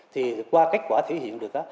thì qua kết quả thể hiện được á